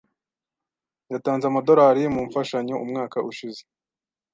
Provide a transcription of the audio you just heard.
Yatanze amadolari mumfashanyo umwaka ushize.